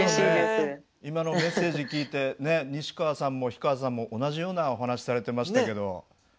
今のメッセージ聞いて西川さんも氷川さんも同じようなお話されてましたけど。